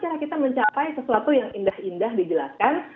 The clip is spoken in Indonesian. sesuatu yang indah indah dijelaskan